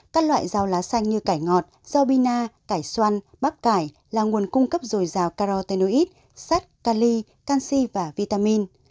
các loại rau lá xanh như cải ngọt rau pina cải xoăn bắp cải là nguồn cung cấp dồi dào carotenoid sát kali canxi và vitamin